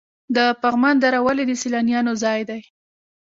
د پغمان دره ولې د سیلانیانو ځای دی؟